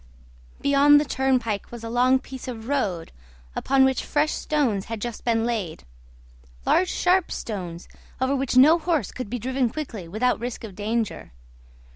Beyond the turnpike was a long piece of road, upon which fresh stones had just been laid large sharp stones, over which no horse could be driven quickly without risk of danger.